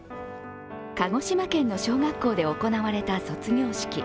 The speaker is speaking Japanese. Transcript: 鹿児島県の小学校で行われた卒業式。